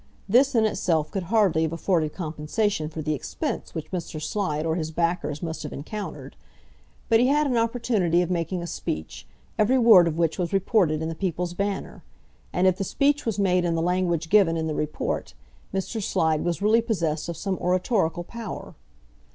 This in itself could hardly have afforded compensation for the expense which Mr. Slide or his backers must have encountered; but he had an opportunity of making a speech, every word of which was reported in the People's Banner; and if the speech was made in the language given in the report, Mr. Slide was really possessed of some oratorical power.